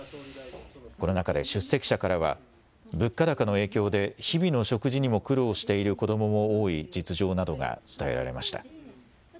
この中で出席者からは物価高の影響で日々の食事にも苦労している子どもも多い実情などが伝えられました。